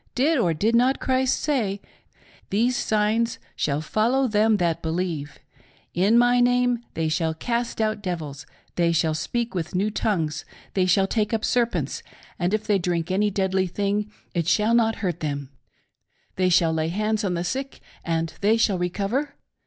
Did, or did not Christ say, "These signs shall follow them that believe; in my name they shall cast out devils ; they shall speak with new tongues ; they shall take up serpents ; and if they drink any deadly thing, it shall not hurt them ; they shall lay hands on the sick and they shall recover